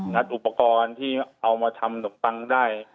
ัดอุปกรณ์ที่เอามาทำหนมปังได้